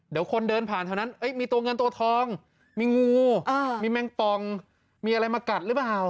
เดี๋ยวคนเดินผ่านแถวนั้นมีตัวเงินตัวทองมีงูมีแมงปองมีอะไรมากัดหรือเปล่า